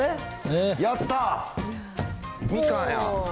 やった、みかんや。